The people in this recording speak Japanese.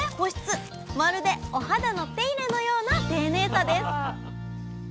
まるでお肌の手入れのような丁寧さです！